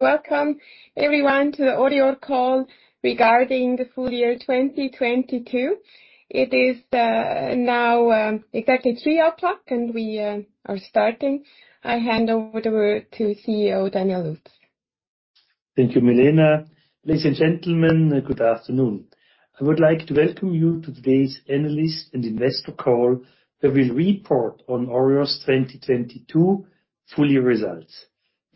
Welcome everyone to the ORIOR call regarding the full year 2022. It is now exactly 3:00 P.M., and we are starting. I hand over the word to CEO Daniel Lutz. Thank you, Milena. Ladies and gentlemen, good afternoon. I would like to welcome you to today's analyst and investor call that will report on ORIOR's 2022 full year results.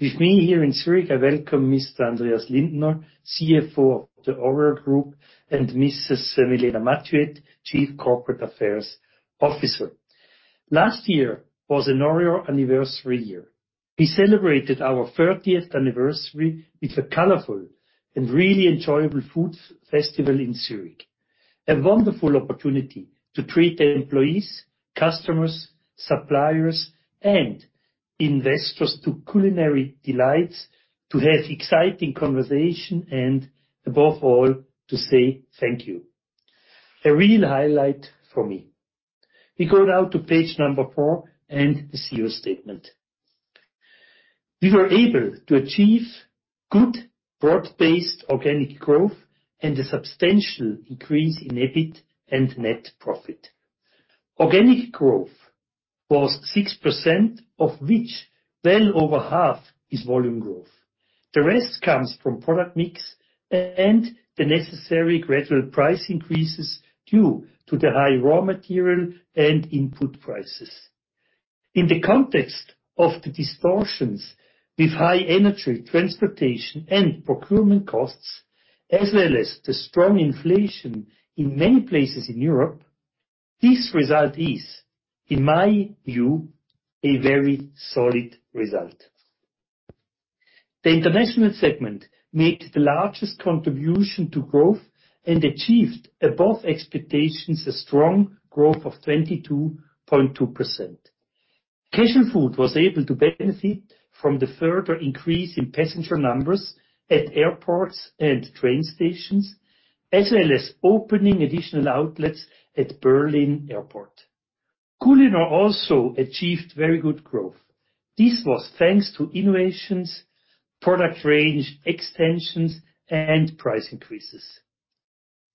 With me here in Zurich, I welcome Mr. Andreas Lindner, CFO of the ORIOR Group, and Mrs. Milena Mathiuet, Chief Corporate Affairs Officer. Last year was an ORIOR anniversary year. We celebrated our 30th anniversary with a colorful and really enjoyable food festival in Zurich. A wonderful opportunity to treat the employees, customers, suppliers, and investors to culinary delights, to have exciting conversation, and above all, to say thank you. A real highlight for me. We go now to page number four and the CEO statement. We were able to achieve good broad-based organic growth and a substantial increase in EBIT and net profit. Organic growth was 6%, of which well over half is volume growth. The rest comes from product mix and the necessary gradual price increases due to the high raw material and input prices. In the context of the distortions with high energy, transportation, and procurement costs, as well as the strong inflation in many places in Europe, this result is, in my view, a very solid result. The international segment made the largest contribution to growth and achieved above expectations a strong growth of 22.2%. Casualfood was able to benefit from the further increase in passenger numbers at airports and train stations, as well as opening additional outlets at Berlin Airport. Culinor also achieved very good growth. This was thanks to innovations, product range extensions, and price increases.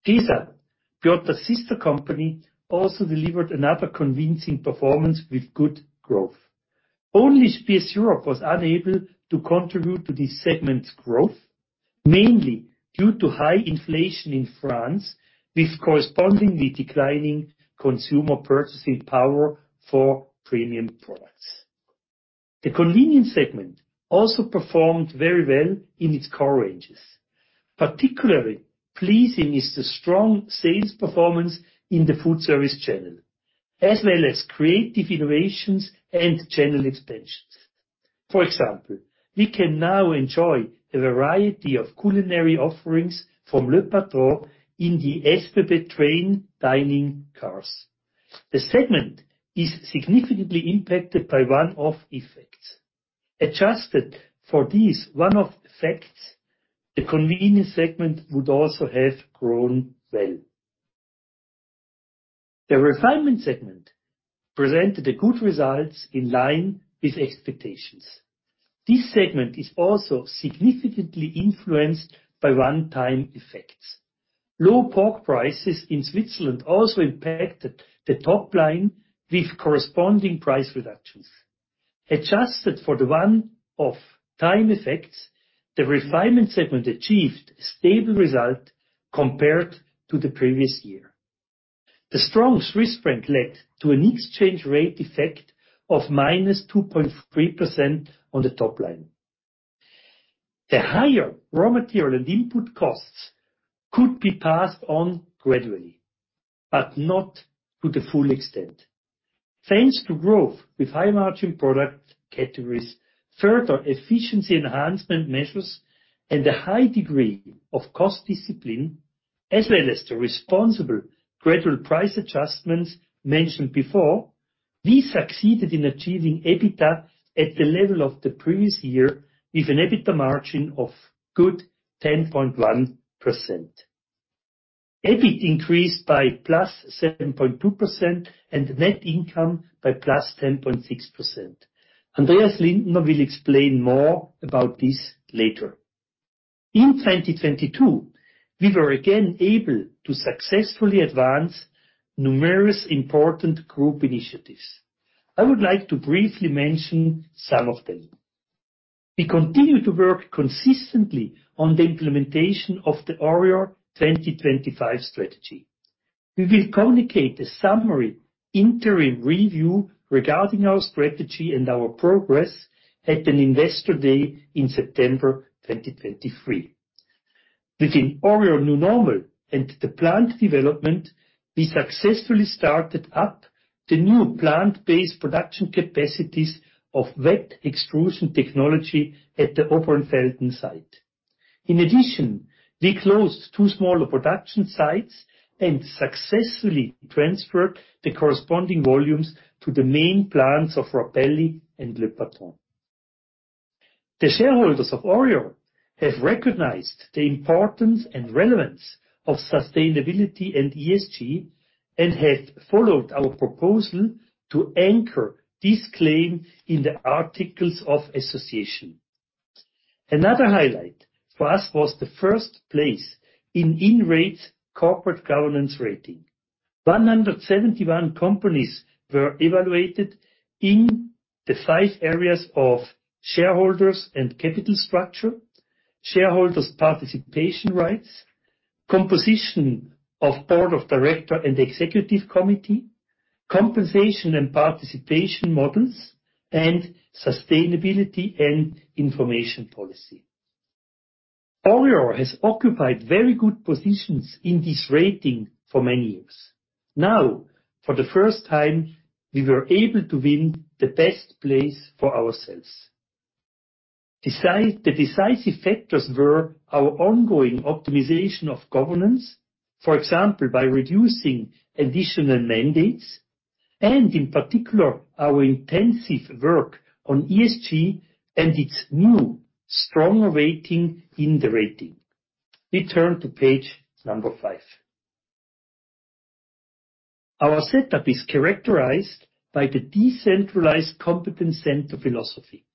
Gesa, Biotta's sister company, also delivered another convincing performance with good growth. Only Spiess Europe was unable to contribute to this segment's growth, mainly due to high inflation in France, with correspondingly declining consumer purchasing power for premium products. The convenience segment also performed very well in its core ranges. Particularly pleasing is the strong sales performance in the food service channel, as well as creative innovations and channel expansions. For example, we can now enjoy a variety of culinary offerings from Le Patron in the SBB train dining cars. The segment is significantly impacted by one-off effects. Adjusted for these one-off effects, the convenience segment would also have grown well. The refinement segment presented a good result in line with expectations. This segment is also significantly influenced by one-time effects. Low pork prices in Switzerland also impacted the top line with corresponding price reductions. Adjusted for the one-off time effects, the refinement segment achieved a stable result compared to the previous year. The strong Swiss franc led to an exchange rate effect of -2.3% on the top line. The higher raw material and input costs could be passed on gradually, but not to the full extent. Thanks to growth with high-margin product categories, further efficiency enhancement measures, and a high degree of cost discipline, as well as the responsible gradual price adjustments mentioned before, we succeeded in achieving EBITDA at the level of the previous year with an EBITDA margin of good 10.1%. EBIT increased by +7.2% and net income by +10.6%. Andreas Lindner will explain more about this later. In 2022, we were again able to successfully advance numerous important group initiatives. I would like to briefly mention some of them. We continue to work consistently on the implementation of the ORIOR 2025 Strategy. We will communicate a summary interim review regarding our strategy and our progress at an investor day in September 2023. Within ORIOR New Normal and the plant development, we successfully started up the new plant-based production capacities of wet extrusion technology at the Oberentfelden site. In addition, we closed two smaller production sites and successfully transferred the corresponding volumes to the main plants of Rapelli and Le Patron. The shareholders of ORIOR have recognized the importance and relevance of sustainability and ESG and have followed our proposal to anchor this claim in the Articles of Association. Another highlight for us was the first place in Inrate corporate governance rating. 171 companies were evaluated in the five areas of shareholders and capital structure, shareholders participation rights, composition of board of director and executive committee, compensation and participation models, and sustainability and information policy. ORIOR has occupied very good positions in this rating for many years. For the first time, we were able to win the best place for ourselves. The decisive factors were our ongoing optimization of governance, for example, by reducing additional mandates, and in particular, our intensive work on ESG and its new strong weighting in the rating. We turn to page number five. Our setup is characterized by the decentralized competence center philosophy,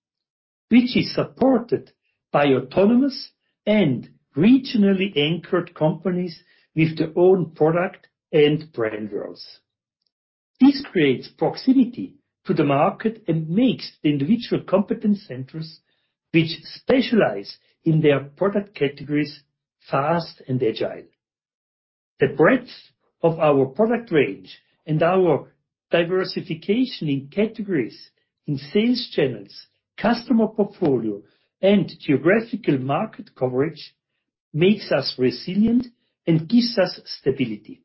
which is supported by autonomous and regionally anchored companies with their own product and brand worlds. This creates proximity to the market and makes the individual competence centers, which specialize in their product categories fast and agile. The breadth of our product range and our diversification in categories, in sales channels, customer portfolio, and geographical market coverage makes us resilient and gives us stability.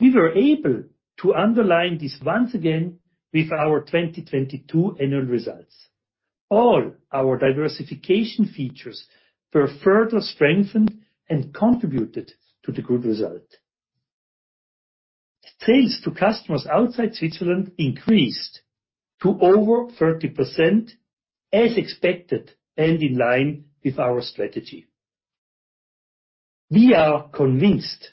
We were able to underline this once again with our 2022 annual results. All our diversification features were further strengthened and contributed to the good result. Sales to customers outside Switzerland increased to over 30% as expected and in line with our strategy. We are convinced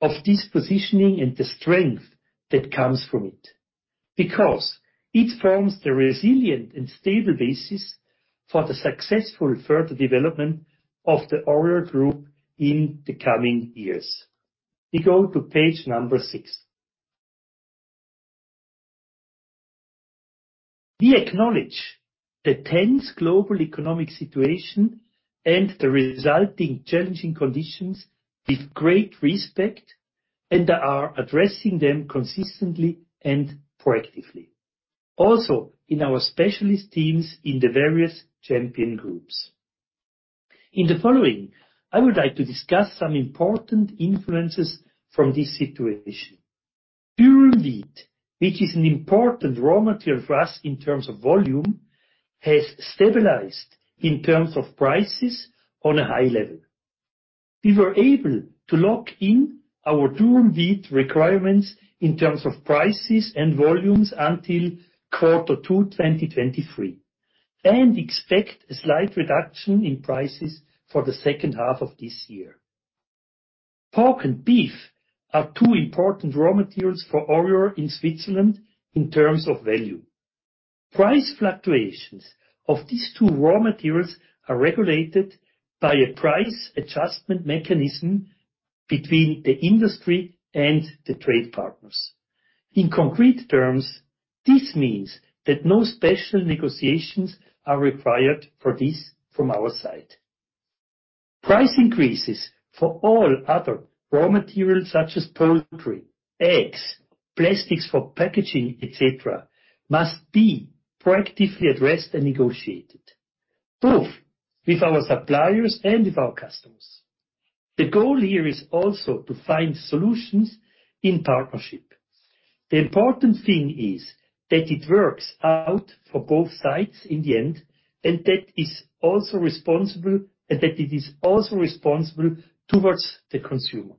of this positioning and the strength that comes from it because it forms the resilient and stable basis for the successful further development of the ORIOR Group in the coming years. We go to page number six. We acknowledge the tense global economic situation and the resulting challenging conditions with great respect, and are addressing them consistently and proactively, also in our specialist teams in the various champion groups. In the following, I would like to discuss some important influences from this situation. Durum wheat, which is an important raw material for us in terms of volume, has stabilized in terms of prices on a high level. We were able to lock in our durum wheat requirements in terms of prices and volumes until quarter two, 2023, and expect a slight reduction in prices for the second half of this year. Pork and beef are two important raw materials for ORIOR in Switzerland in terms of value. Price fluctuations of these two raw materials are regulated by a price adjustment mechanism between the industry and the trade partners. In concrete terms, this means that no special negotiations are required for this from our side. Price increases for all other raw materials such as poultry, eggs, plastics for packaging, et cetera, must be proactively addressed and negotiated, both with our suppliers and with our customers. The goal here is also to find solutions in partnership. The important thing is that it works out for both sides in the end, and that is also responsible, and that it is also responsible towards the consumer.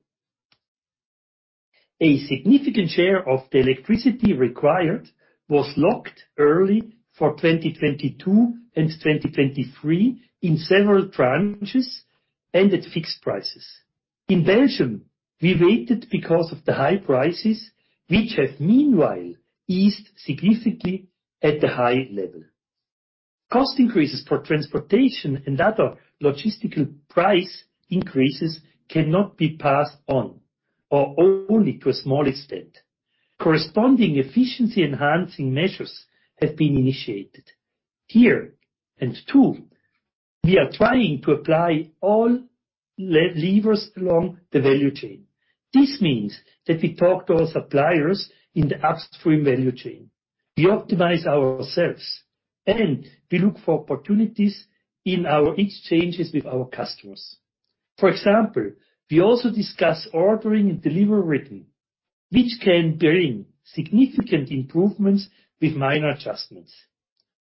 A significant share of the electricity required was locked early for 2022 and 2023 in several tranches and at fixed prices. In Belgium, we waited because of the high prices, which have meanwhile eased significantly at the high level. Cost increases for transportation and other logistical price increases cannot be passed on or only to a small extent. Corresponding efficiency-enhancing measures have been initiated. Here and too, we are trying to apply all levers along the value chain. This means that we talk to our suppliers in the upstream value chain. We optimize ourselves, and we look for opportunities in our exchanges with our customers. For example, we also discuss ordering and delivery rhythm, which can bring significant improvements with minor adjustments.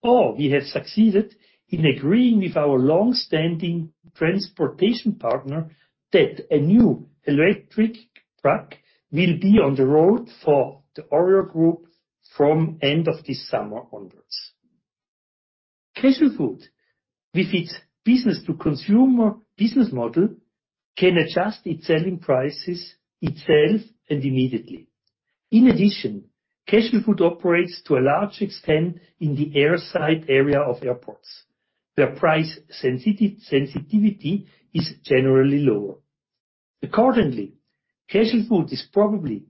We have succeeded in agreeing with our long-standing transportation partner that a new electric truck will be on the road for the ORIOR Group from end of this summer onwards. Casualfood, with its B2C business model, can adjust its selling prices itself and immediately. In addition, Casualfood operates to a large extent in the airside area of airports, where price sensitivity is generally lower. Accordingly, Casualfood is probably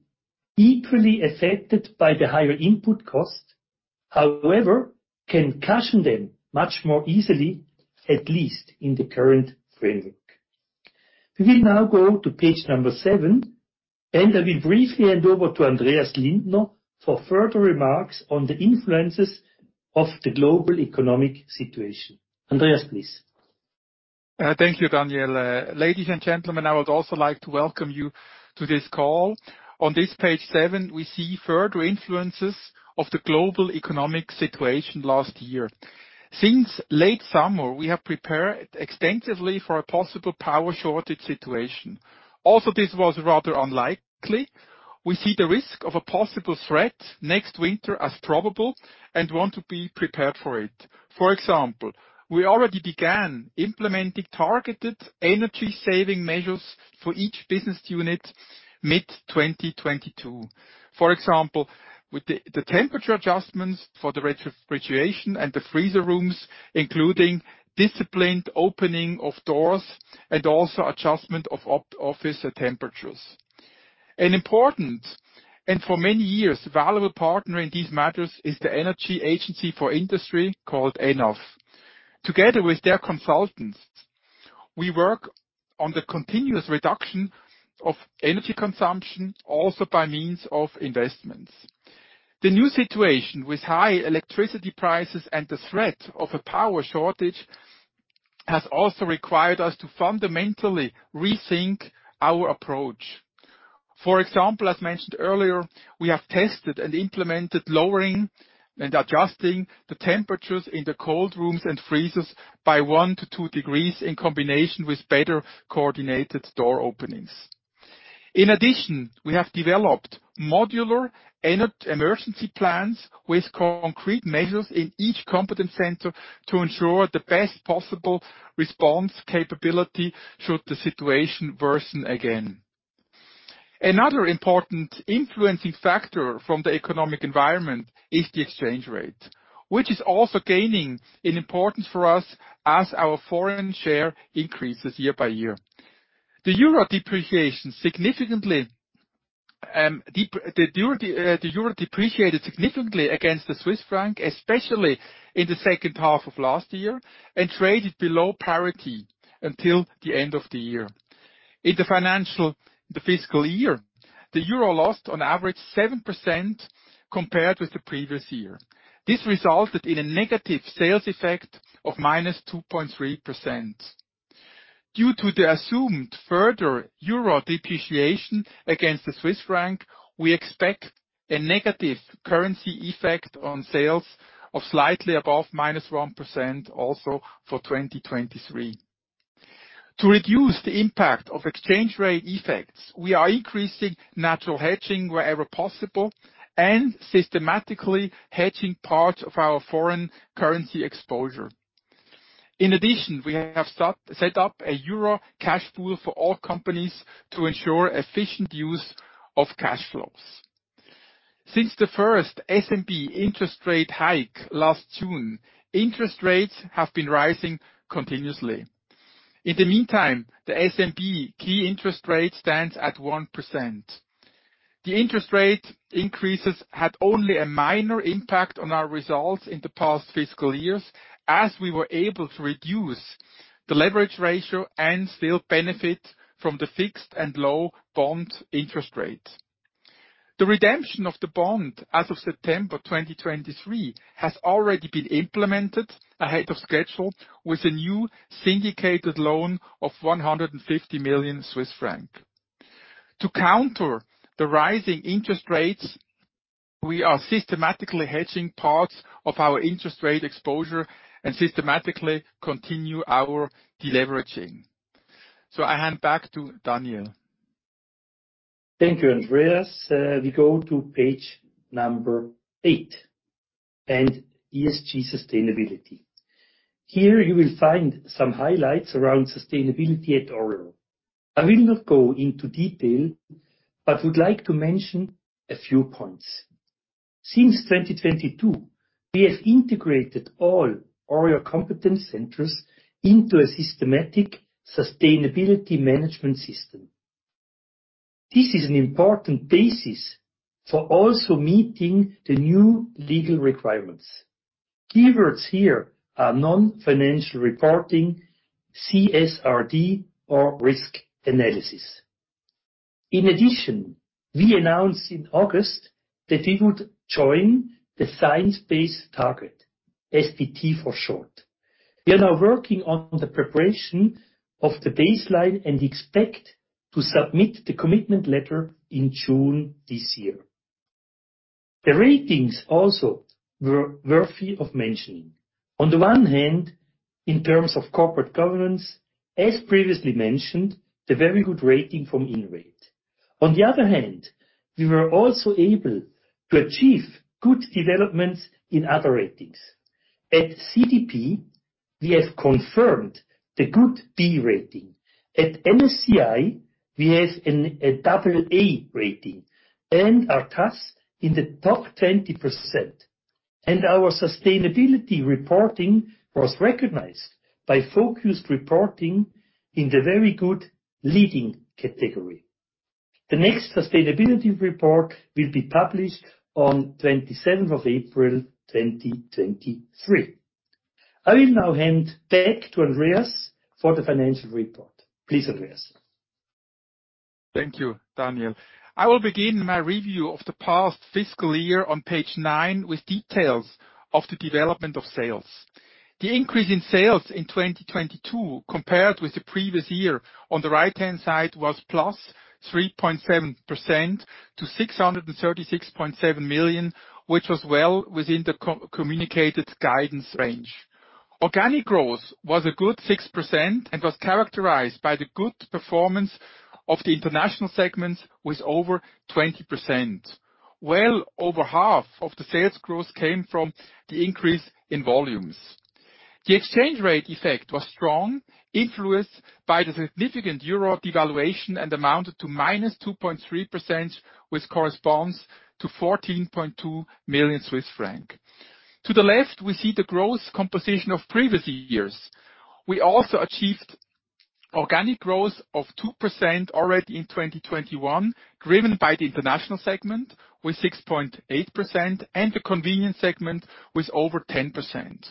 equally affected by the higher input costs, however, can cushion them much more easily, at least in the current framework. We will now go to page number seven, and I will briefly hand over to Andreas Lindner for further remarks on the influences of the global economic situation. Andreas, please. Thank you, Daniel. Ladies and gentlemen, I would also like to welcome you to this call. On this page seven, we see further influences of the global economic situation last year. Since late summer, we have prepared extensively for a possible power shortage situation. Also, this was rather unlikely. We see the risk of a possible threat next winter as probable and want to be prepared for it. For example, we already began implementing targeted energy-saving measures for each business unit mid-2022. For example, with the temperature adjustments for the refrigeration and the freezer rooms, including disciplined opening of doors and also adjustment of office temperatures. An important, and for many years, valuable partner in these matters is the Energy Agency for the Economy, called EnAW. Together with their consultants, we work on the continuous reduction of energy consumption also by means of investments. The new situation with high electricity prices and the threat of a power shortage has also required us to fundamentally rethink our approach. For example, as mentioned earlier, we have tested and implemented lowering and adjusting the temperatures in the cold rooms and freezers by colder by 1°–2° in combination with better coordinated door openings. In addition, we have developed modular emergency plans with concrete measures in each competence center to ensure the best possible response capability should the situation worsen again. Another important influencing factor from the economic environment is the exchange rate, which is also gaining in importance for us as our foreign share increases year by year. The Euro depreciated significantly against the Swiss Franc, especially in the second half of last year, and traded below parity until the end of the year. In the fiscal year, the Euro lost on average 7% compared with the previous year. This resulted in a negative sales effect of -2.3%. Due to the assumed further Euro depreciation against the Swiss franc, we expect a negative currency effect on sales of slightly above -1% also for 2023. To reduce the impact of exchange rate effects, we are increasing natural hedging wherever possible and systematically hedging parts of our foreign currency exposure. In addition, we have set up a Euro cash pool for all companies to ensure efficient use of cash flows. Since the first SNB interest rate hike last June, interest rates have been rising continuously. In the meantime, the SNB key interest rate stands at 1%. The interest rate increases had only a minor impact on our results in the past fiscal years, as we were able to reduce the leverage ratio and still benefit from the fixed and low bond interest rates. The redemption of the bond as of September 2023 has already been implemented ahead of schedule with a new syndicated loan of 150 million Swiss francs. To counter the rising interest rates, we are systematically hedging parts of our interest rate exposure and systematically continue our deleveraging. I hand back to Daniel. Thank you, Andreas. We go to page number eight and ESG sustainability. Here, you will find some highlights around sustainability at ORIOR. I will not go into detail, but would like to mention a few points. Since 2022, we have integrated all ORIOR competence centers into a systematic sustainability management system. This is an important basis for also meeting the new legal requirements. Keywords here are non-financial reporting, CSRD or risk analysis. We announced in August that we would join the Science-Based Target, SBT for short. We are now working on the preparation of the baseline and expect to submit the commitment letter in June this year. The ratings also were worthy of mentioning. On the one hand, in terms of corporate governance, as previously mentioned, the very good rating from Inrate. On the other hand, we were also able to achieve good developments in other ratings. At CDP, we have confirmed the good B rating. At MSCI, we have a double A rating and are tasked in the top 20%, and our sustainability reporting was recognized by focus reporting in the very good leading category. The next sustainability report will be published on 27th of April 2023. I will now hand back to Andreas for the financial report. Please, Andreas. Thank you, Daniel. I will begin my review of the past fiscal year on page nine with details of the development of sales. The increase in sales in 2022 compared with the previous year on the right-hand side was +3.7% to 636.7 million, which was well within the co-communicated guidance range. Organic growth was a good 6% and was characterized by the good performance of the international segments with over 20%. Well over half of the sales growth came from the increase in volumes. The exchange rate effect was strong, influenced by the significant Euro devaluation and amounted to -2.3%, which corresponds to 14.2 million Swiss francs. To the left, we see the growth composition of previous years. We also achieved organic growth of 2% already in 2021, driven by the international segment with 6.8% and the convenience segment with over 10%.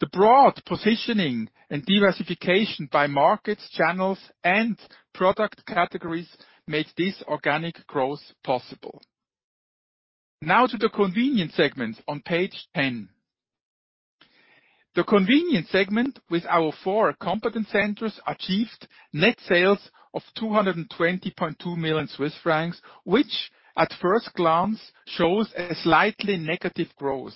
The broad positioning and diversifications by markets, channels, and product categories made this organic growth possible. To the convenience segment on page 10. The convenience segment with our 4 competence centers achieved net sales of 220.2 million Swiss francs, which at first glance shows a slightly negative growth.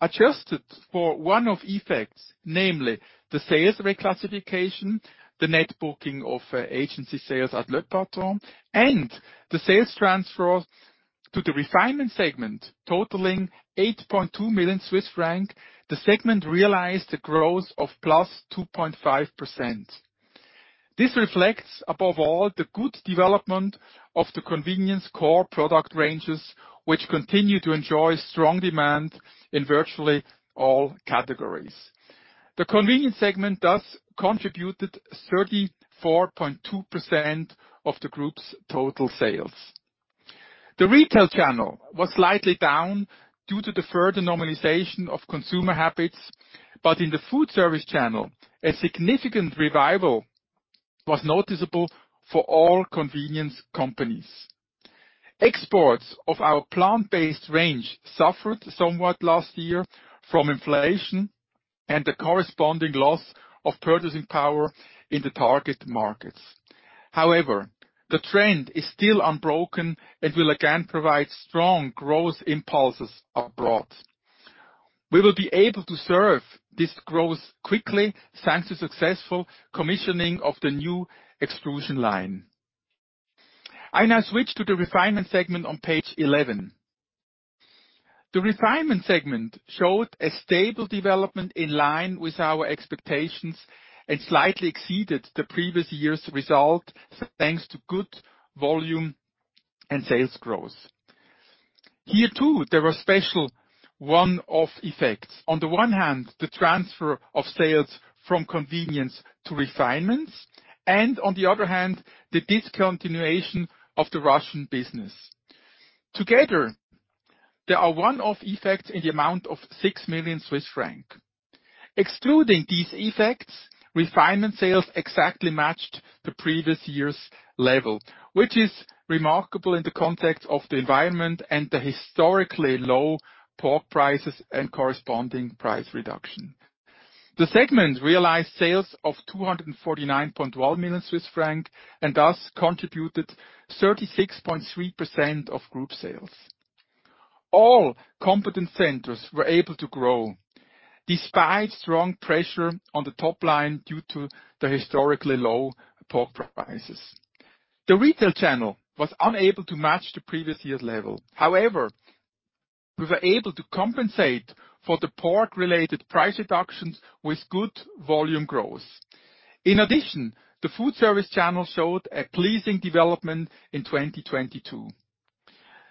Adjusted for one-off effects, namely the sales reclassification, the net booking of agency sales at Le Patron, and the sales transfer to the refinement segment totaling 8.2 million Swiss francs, the segment realized a growth of +2.5%. This reflects above all the good development of the convenience core product ranges, which continue to enjoy strong demand in virtually all categories. The convenience segment thus contributed 34.2% of the group's total sales. The retail channel was slightly down due to the further normalization of consumer habits. In the food service channel, a significant revival was noticeable for all convenience companies. Exports of our plant-based range suffered somewhat last year from inflation and the corresponding loss of purchasing power in the target markets. However, the trend is still unbroken and will again provide strong growth impulses abroad. We will be able to serve this growth quickly thanks to successful commissioning of the new extrusion line. I now switch to the refinement segment on page 11. The refinement segment showed a stable development in line with our expectations and slightly exceeded the previous year's result, thanks to good volume and sales growth. Here, too, there were special one-off effects. On the one hand, the transfer of sales from convenience to refinements and on the other hand, the discontinuation of the Russian business. Together, there are one-off effects in the amount of 6 million Swiss franc. Excluding these effects, refinement sales exactly matched the previous year's level, which is remarkable in the context of the environment and the historically low pork prices and corresponding price reduction. The segment realized sales of 249.1 million Swiss franc and thus contributed 36.3% of group sales. All competence centers were able to grow despite strong pressure on the top line due to the historically low pork prices. The retail channel was unable to match the previous year's level. However, we were able to compensate for the pork-related price reductions with good volume growth. In addition, the food service channel showed a pleasing development in 2022.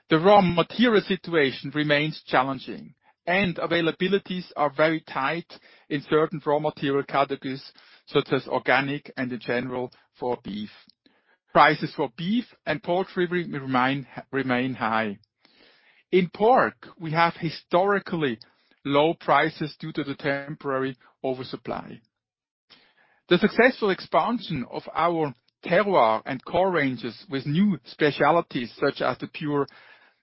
The raw material situation remains challenging, and availabilities are very tight in certain raw material categories, such as organic and in general for beef. Prices for beef and poultry remain high. In pork, we have historically low prices due to the temporary oversupply. The successful expansion of our terroir and core ranges with new specialties such as the Pure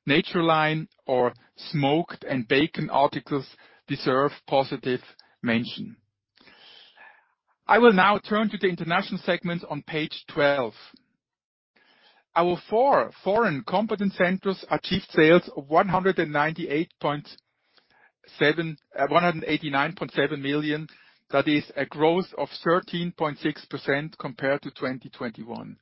Nature line or smoked and bacon articles deserve positive mention. I will now turn to the international segment on page 12. Our four foreign competent centers achieved sales of 189.7 million. That is a growth of 13.6% compared to 2021.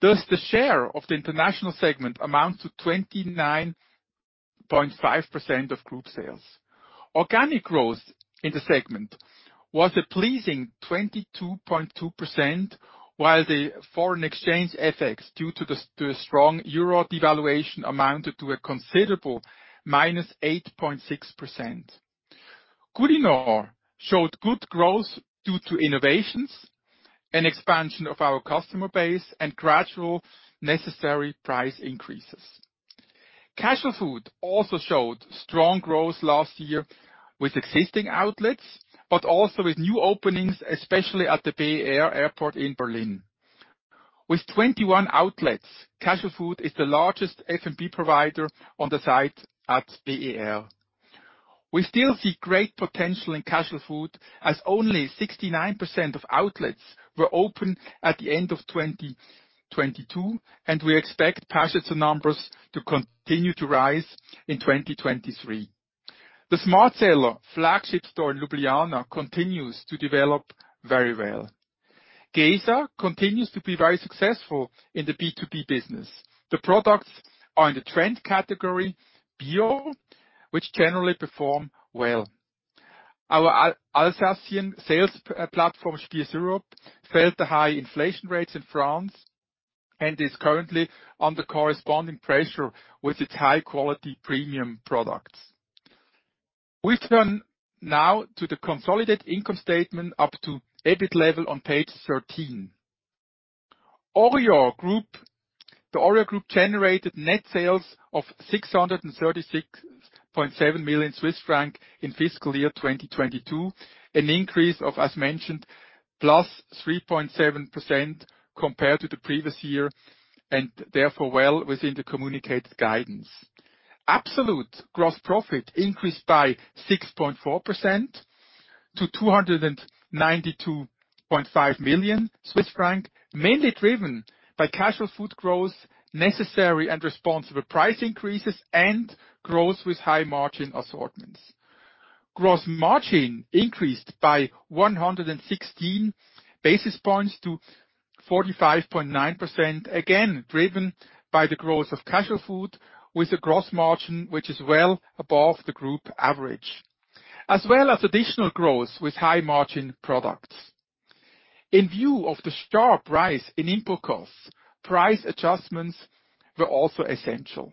The share of the international segment amounts to 29.5% of group sales. Organic growth in the segment was a pleasing 22.2%, while the foreign exchange FX due to the strong EUR devaluation amounted to a considerable -8.6%. Culinor showed good growth due to innovations and expansion of our customer base and gradual necessary price increases. Casualfood also showed strong growth last year with existing outlets, but also with new openings, especially at the BER Airport in Berlin. With 21 outlets, Casualfood is the largest F&B provider on the site at BER. We still see great potential in Casualfood, as only 69% of outlets were open at the end of 2022, and we expect passenger numbers to continue to rise in 2023. The SmartSeller flagship store in Ljubljana continues to develop very well. Gesa continues to be very successful in the B2B business. The products are in the trend category, Bio, which generally perform well. Our Alsatian sales platform, Spiess Europe, felt the high inflation rates in France and is currently under corresponding pressure with its high-quality premium products. We turn now to the consolidated income statement up to EBIT level on page 13. ORIOR Group... The ORIOR Group generated net sales of 636.7 million Swiss francs in fiscal year 2022, an increase of, as mentioned, +3.7% compared to the previous year and therefore well within the communicated guidance. Absolute gross profit increased by 6.4% to 292.5 million Swiss franc, mainly driven by Casualfood growth, necessary and responsible price increases, and growth with high-margin assortments. Gross margin increased by 116 basis points to 45.9%, again driven by the growth of Casualfood with a gross margin, which is well above the group average, as well as additional growth with high-margin products. In view of the sharp rise in input costs, price adjustments were also essential.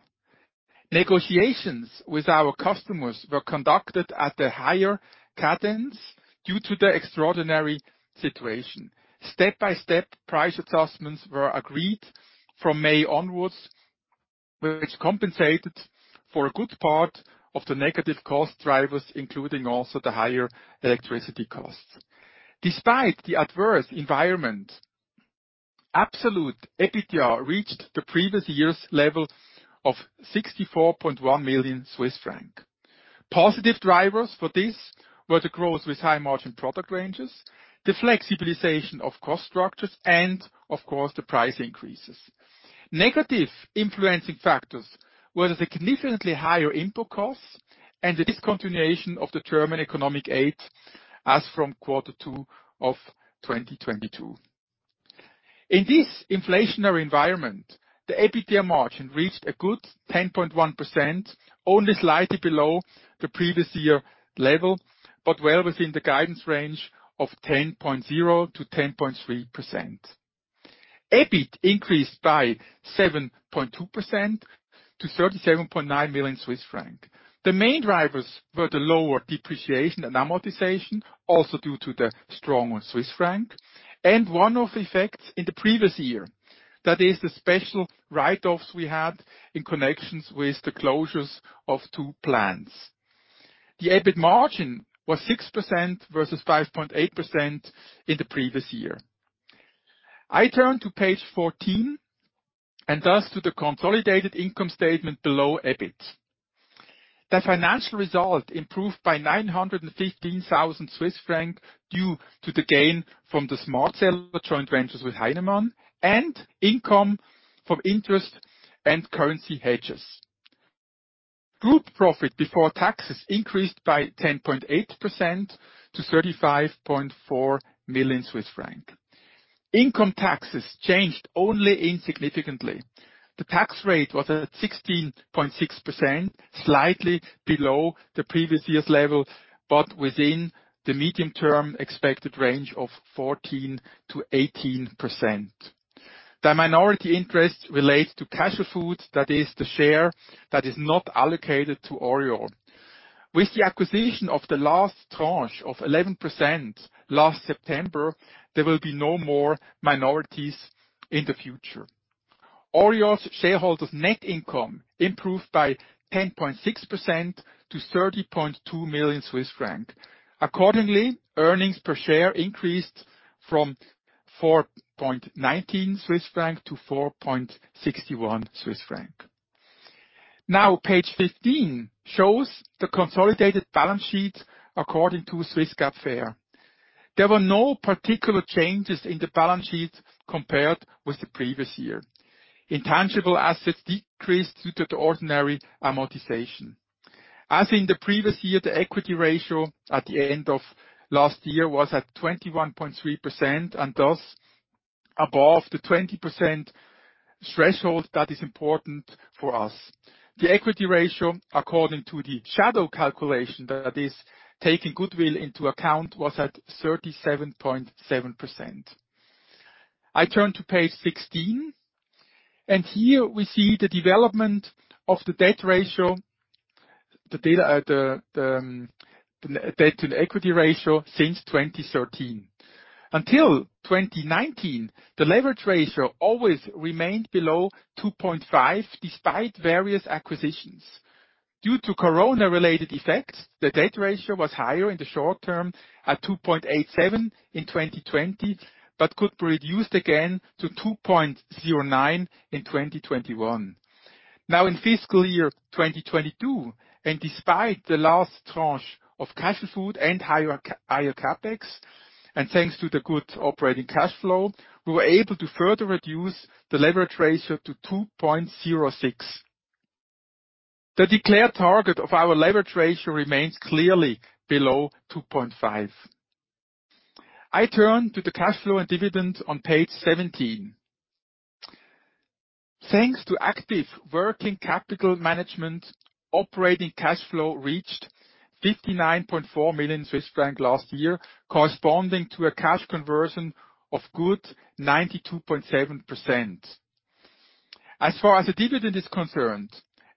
Negotiations with our customers were conducted at a higher cadence due to the extraordinary situation. Step-by-step price adjustments were agreed from May onwards, which compensated for a good part of the negative cost drivers, including also the higher electricity costs. Despite the adverse environment, absolute EBITDA reached the previous year's level of 64.1 million Swiss franc. Positive drivers for this were the growth with high-margin product ranges, the flexibilization of cost structures, and of course, the price increases. Negative influencing factors were the significantly higher input costs and the discontinuation of the German economic aid as from quarter two of 2022. In this inflationary environment, the EBITDA margin reached a good 10.1%, only slightly below the previous year level, but well within the guidance range of 10.0%-10.3%. EBIT increased by 7.2% to 37.9 million Swiss francs. The main drivers were the lower depreciation and amortization, also due to the stronger Swiss franc, and one-off effects in the previous year. That is the special write-offs we had in connections with the closures of two plants. The EBIT margin was 6% versus 5.8% in the previous year. I turn to page 14, and thus to the consolidated income statement below EBIT. The financial result improved by 915,000 Swiss francs due to the gain from the SmartSeller joint ventures with Heinemann and income from interest and currency hedges. Group profit before taxes increased by 10.8% to 35.4 million Swiss francs. Income taxes changed only insignificantly. The tax rate was at 16.6%, slightly below the previous year's level, but within the medium-term expected range of 14%-18%. The minority interest relates to Casualfood, that is the share that is not allocated to ORIOR. With the acquisition of the last tranche of 11% last September, there will be no more minorities in the future. ORIOR's shareholders' net income improved by 10.6% to 30.2 million Swiss franc. Accordingly, earnings per share increased from 4.19 Swiss franc to 4.61 Swiss franc. Page 15 shows the consolidated balance sheet according to Swiss GAAP FER. There were no particular changes in the balance sheet compared with the previous year. Intangible assets decreased due to the ordinary amortization. As in the previous year, the equity ratio at the end of last year was at 21.3%, and thus above the 20% threshold that is important for us. The equity ratio, according to the shadow calculation that is taking goodwill into account, was at 37.7%. I turn to page 16. Here we see the development of the debt ratio, the data at the debt to equity ratio since 2013. Until 2019, the leverage ratio always remained below 2.5, despite various acquisitions. Due to corona-related effects, the debt ratio was higher in the short term at 2.87 in 2020, but could produce again to 2.09 in 2021. Now, in fiscal year 2022, and despite the last tranche of Casualfood and higher CapEx, and thanks to the good operating cash flow, we were able to further reduce the leverage ratio to 2.06. The declared target of our leverage ratio remains clearly below 2.5. I turn to the cash flow and dividend on page 17. Thanks to active working capital management, operating cash flow reached 59.4 million Swiss franc last year, corresponding to a cash conversion of good 92.7%. As far as the dividend is concerned,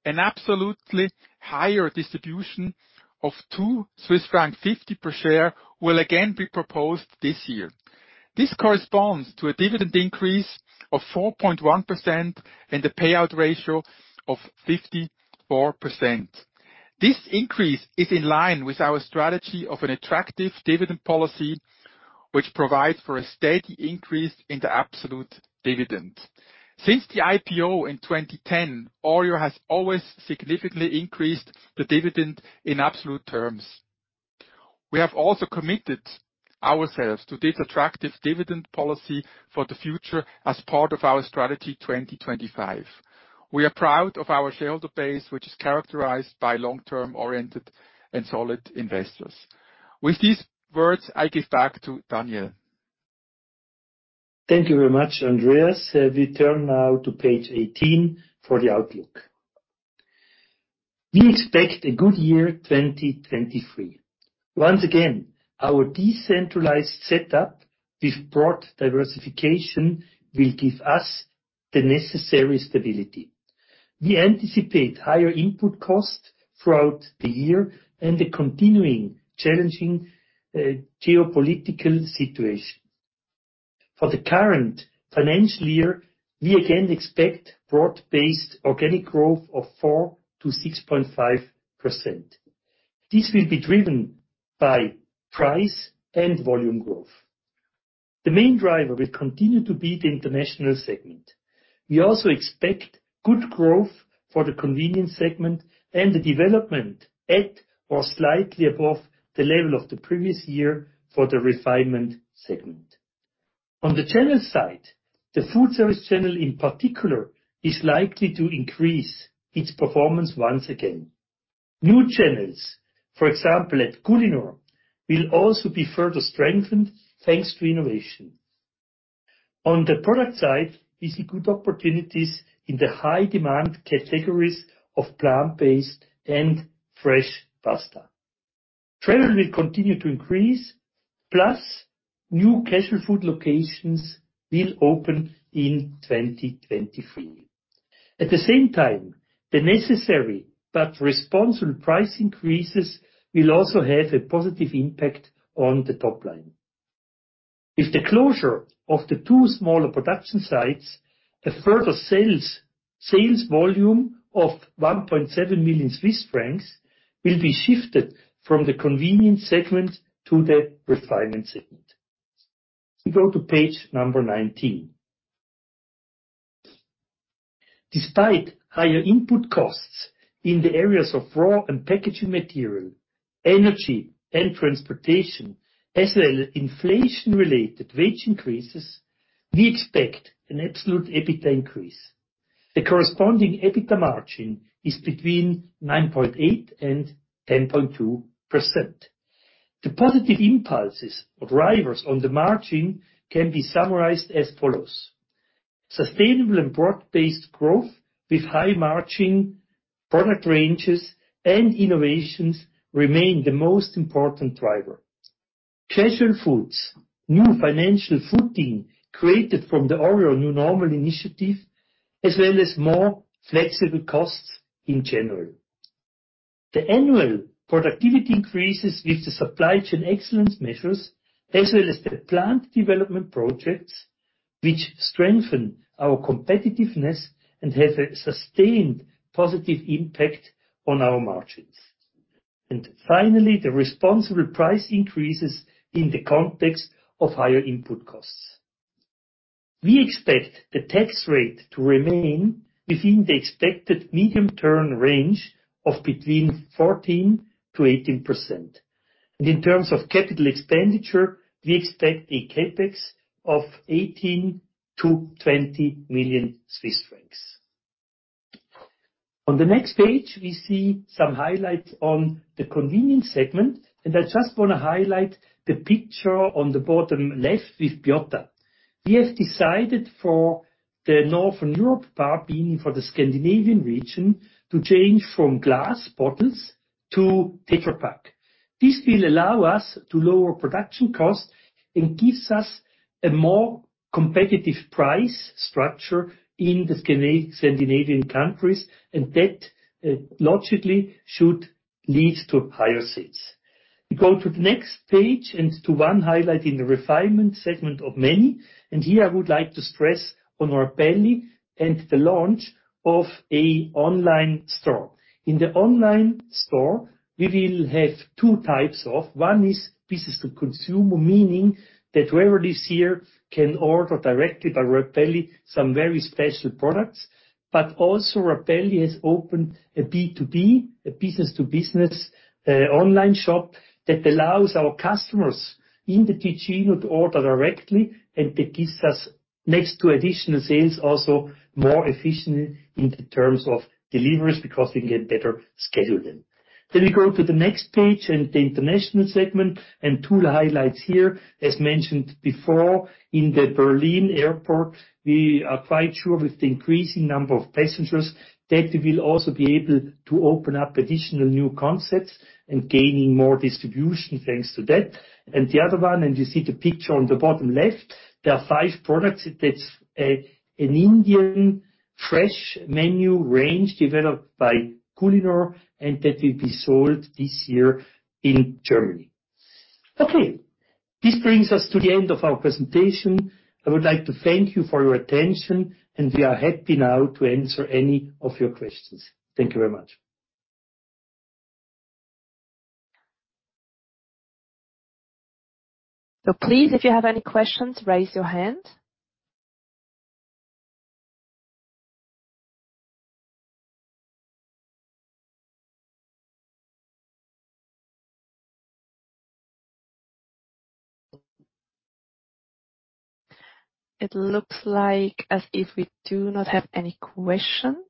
an absolutely higher distribution of 2.50 Swiss franc per share will again be proposed this year. This corresponds to a dividend increase of 4.1% and a payout ratio of 54%. This increase is in line with our strategy of an attractive dividend policy, which provides for a steady increase in the absolute dividend. Since the IPO in 2010, ORIOR has always significantly increased the dividend in absolute terms. We have also committed ourselves to this attractive dividend policy for the future as part of our Strategy 2025. We are proud of our shareholder base, which is characterized by long-term oriented and solid investors. With these words, I give back to Daniel. Thank you very much, Andreas. We turn now to page 18 for the outlook. We expect a good year, 2023. Once again, our decentralized setup with broad diversification will give us the necessary stability. We anticipate higher input costs throughout the year and a continuing challenging geopolitical situation. For the current financial year, we again expect broad-based organic growth of 4%-6.5%. This will be driven by price and volume growth. The main driver will continue to be the international segment. We also expect good growth for the convenience segment and the development at or slightly above the level of the previous year for the refinement segment. On the channel side, the food service channel, in particular, is likely to increase its performance once again. New channels, for example, at Culinor, will also be further strengthened thanks to innovation. On the product side, we see good opportunities in the high demand categories of plant-based and fresh pasta. Travel will continue to increase, plus new Casualfood locations will open in 2023. At the same time, the necessary but responsible price increases will also have a positive impact on the top line. With the closure of the two smaller production sites, a further sales volume of 1.7 million Swiss francs will be shifted from the convenience segment to the refinement segment. We go to page number 19. Despite higher input costs in the areas of raw and packaging material, energy and transportation, as well as inflation-related wage increases, we expect an absolute EBITDA increase. The corresponding EBITDA margin is between 9.8% and 10.2%. The positive impulses or drivers on the margin can be summarized as follows: Sustainable and broad-based growth with high margin, product ranges, and innovations remain the most important driver. Casualfood, new financial footing created from the ORIOR New Normal initiative, as well as more flexible costs in general. The annual productivity increases with the supply chain excellence measures, as well as the plant development projects, which strengthen our competitiveness and have a sustained positive impact on our margins. Finally, the responsible price increases in the context of higher input costs. We expect the tax rate to remain within the expected medium-term range of between 14%-18%. In terms of capital expenditure, we expect a CapEx of 18 million-20 million Swiss francs. On the next page, we see some highlights on the convenience segment. I just wanna highlight the picture on the bottom left with Biotta. We have decided for the Northern Europe part, being for the Scandinavian region, to change from glass bottles to Tetra Pak. This will allow us to lower production costs and gives us a more competitive price structure in the Scandinavian countries. That logically should lead to higher sales. We go to the next page. To 1 highlight in the refinement segment of many, here I would like to stress on Rapelli and the launch of a online store. In the online store, we will have 2 types of. One is B2C, meaning that whoever is here can order directly by Rapelli some very special products. Rapelli has opened a B2B, a business to business, online shop that allows our customers in the Ticino to order directly, and that gives us next to additional sales, also more efficiency in terms of deliveries because we can get better scheduling. We go to the next page and the international segment and 2 highlights here. As mentioned before, in the Berlin Airport we are quite sure with the increasing number of passengers that we'll also be able to open up additional new concepts and gaining more distribution thanks to that. The other one, and you see the picture on the bottom left, there are 5 products. It is a, an Indian fresh menu range developed by Culinor and that will be sold this year in Germany. Okay. This brings us to the end of our presentation. I would like to thank you for your attention, and we are happy now to answer any of your questions. Thank you very much. Please, if you have any questions, raise your hand. It looks like as if we do not have any questions.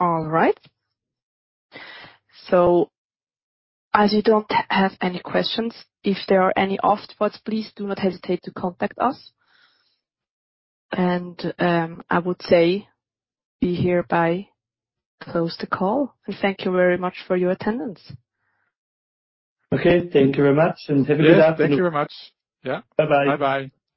All right. As you don't have any questions, if there are any afterwards, please do not hesitate to contact us. I would say we hereby close the call. Thank you very much for your attendance. Okay. Thank you very much and have a good afternoon. Yes. Thank you very much. Yeah. Bye-bye. Bye-bye.